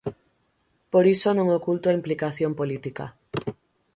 Por iso non oculto a implicación política.